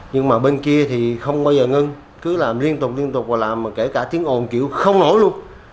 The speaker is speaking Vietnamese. nhưng mà bên kia thì không bao giờ ngưng cứ làm liên tục liên tục và làm mà kể cả tiếng ồn kiểu không nổi luôn